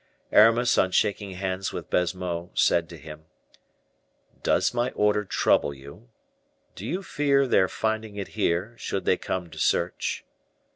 Aramis, on shaking hands with Baisemeaux, said to him; "Does my order trouble you? Do you fear their finding it here, should they come to search?"